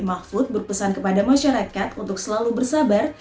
mahfud berpesan kepada masyarakat untuk selalu bersabar